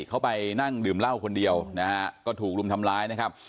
เขาไปนั่งดื่มเหล้าคนเดียวนะฮะก็ถูกรุมทำร้ายนะครับ